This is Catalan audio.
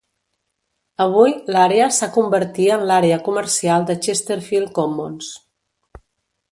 Avui, l'àrea s'ha convertir en l'àrea comercial de Chesterfield Commons.